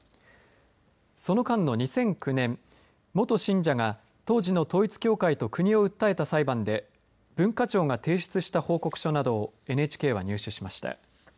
その間の２００９年元信者が当時の統一教会と国を訴えた裁判で文化庁が提出した報告書などをＮＨＫは入手しました。